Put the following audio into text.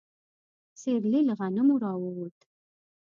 سيرلي له غنمو راووت.